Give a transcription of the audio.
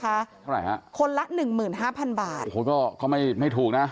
เท่าไหร่ฮะคนละหนึ่งหมื่นห้าพันบาทโอ้โหก็ไม่ไม่ถูกนะ